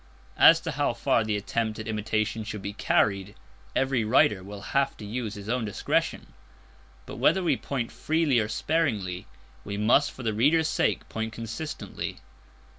As to how far the attempt at imitation should be carried, every writer will have to use his own discretion; but, whether we point freely or sparingly, we must for the reader's sake point consistently.